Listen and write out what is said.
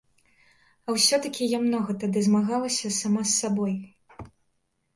А ўсё-такі я многа тады змагалася сама з сабой.